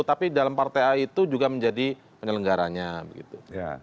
tapi dalam partai a itu juga menjadi penyelenggaranya begitu